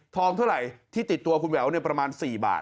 เท่าไหร่ที่ติดตัวคุณแหววประมาณ๔บาท